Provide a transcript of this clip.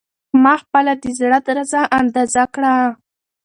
ما خپله د زړه درزا اندازه کړه.